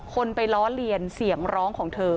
คนไปล้อเลียนเสียงร้องของเธอ